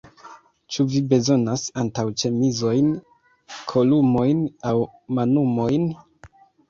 Ĉu vi bezonas antaŭĉemizojn, kolumojn aŭ manumojn?